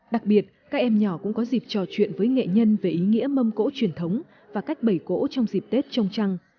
đặc biệt các em nhỏ cũng có dịp trò chuyện với nghệ nhân về ý nghĩa mâm cỗ truyền thống và cách bầy cỗ trong dịp tết trông trăng